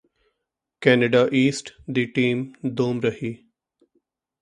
Canada east ਦੀ team ਦੋਮ ਰਹੀ